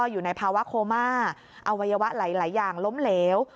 อยู่ในภาวะโคม่าอวัยวะหลายอย่างล้มเหลว